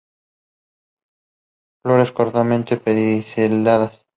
Flores cortamente pediceladas.